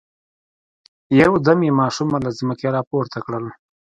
يودم يې ماشومه له ځمکې را پورته کړل.